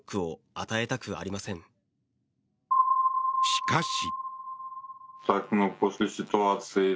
しかし。